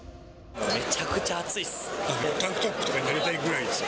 めちゃくちゃ暑いです。